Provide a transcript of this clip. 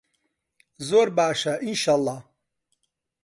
زۆر باشە ئینشەڵا.